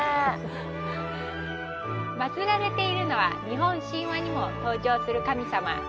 祭られているのは日本神話にも登場する神様。